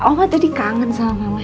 oma tadi kangen sama mama